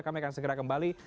kami akan segera kembali